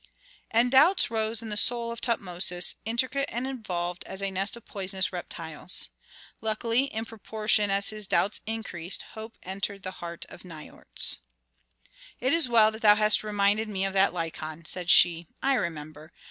And doubts rose in the soul of Tutmosis, intricate and involved as a nest of poisonous reptiles. Luckily in proportion as his doubts increased hope entered the heart of Nikotris. "It is well that thou hast reminded me of that Lykon," said she. "I remember.